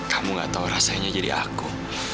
kamu gak tahu rasanya jadi aku